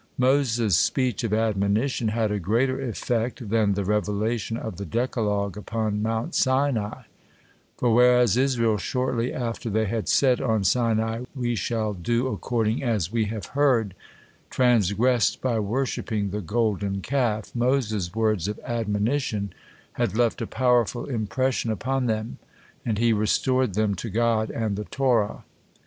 Moses' speech of admonition had a greater effect than the revelation of the Decalogue upon Mount Sinai, for whereas Israel, shortly after they had said on Sinai, "We shall do according as we have heard," transgressed by worshipping the Golden Calf, Moses' words of admonition had left a powerful impression upon them, and he restored them to God and the Torah.